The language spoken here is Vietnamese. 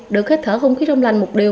được khách thở không khí trong lành một điều